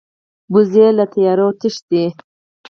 وزې له تیارو تښتي